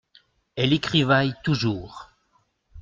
Elle écrivaille toujours.